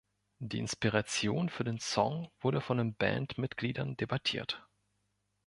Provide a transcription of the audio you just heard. Die Inspiration für den Song wurde von den Bandmitgliedern debattiert.